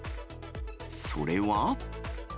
それは。